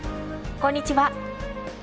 こんにちは。